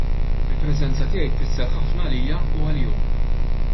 Il-preżenza tiegħi tfisser ħafna għalija u għalihom.